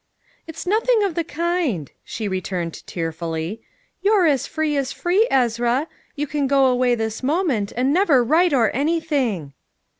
"It's nothing of the kind," she returned tearfully. "You're as free as free, Ezra. You can go away this moment, and never write or anything!"